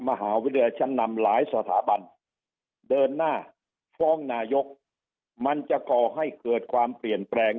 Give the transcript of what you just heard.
มหาวิทยาลัยชั้นนำหลายสถาบันเดินหน้าฟ้องนายกมันจะก่อให้เกิดความเปลี่ยนแปลง